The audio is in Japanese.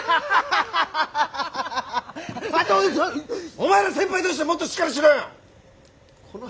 お前ら先輩としてもっとしっかりしろよ！